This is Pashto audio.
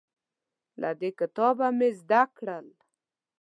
له دې کتابه مې زده کړل